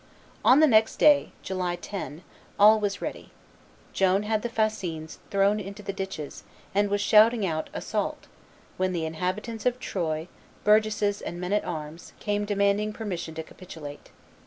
On the next day, July 10, all was ready. Joan had the fascines thrown into the ditches, and was shouting out, "Assault!" when the inhabitants of Troyes, burgesses and men at arms, came demanding permission to capitulate.